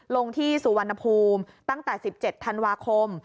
ลงที่สุวรรณภูมิตั้งแต่๑๗ธันวาคม